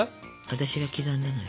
私が刻んだのよ。